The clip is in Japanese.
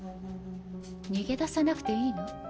逃げ出さなくていいの？